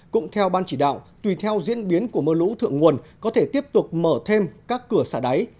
cũng theo ban chỉ đạo tùy theo diễn biến của mưa lũ thượng nguồn có thể tiếp tục mở thêm các cửa xả đáy